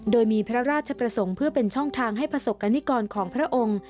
โดยมีพระราชประสงค์เพื่อเป็นช่องทางให้ประสบกรณิกรของพระองค์